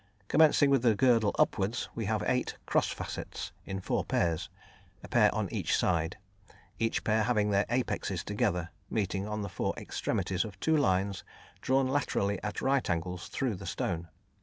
Commencing with the girdle upwards, we have eight "cross facets" in four pairs, a pair on each side; each pair having their apexes together, meeting on the four extremities of two lines drawn laterally at right angles through the stone.